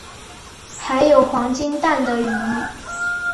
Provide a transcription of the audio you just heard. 还有黄金蛋的鱼